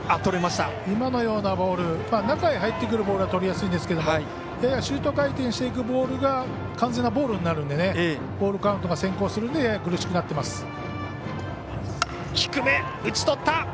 今のようなボール中に入ってくるボールはとりやすいんですけどややシュート回転していくボールが完全なボールになるのでボールカウントが先行するのでやや苦しくなってます。